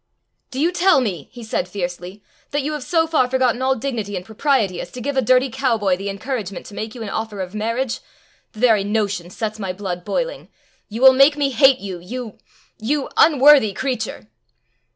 "Do you tell me," he said fiercely, "that you have so far forgotten all dignity and propriety as to give a dirty cow boy the encouragement to make you an offer of marriage? The very notion sets my blood boiling. You will make me hate you, you you unworthy creature!"